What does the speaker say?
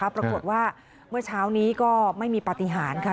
ปรากฏว่าเมื่อเช้านี้ก็ไม่มีปฏิหารค่ะ